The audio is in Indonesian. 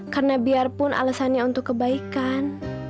karena biarpun alasannya untuk kebaikan